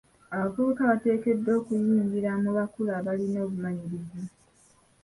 Abavubuka bateekeddwa okuyigira ku bakulu abalina obumanyirivu .